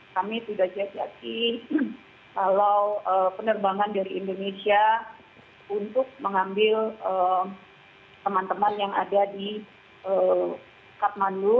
kami sudah jajaki kalau penerbangan dari indonesia untuk mengambil teman teman yang ada di katmanu